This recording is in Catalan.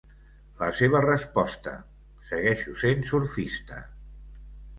La seva resposta: segueixo sent surfista.